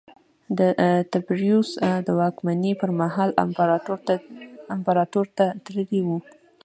د تبریوس د واکمنۍ پرمهال امپراتور ته تللی و